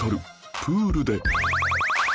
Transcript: プールで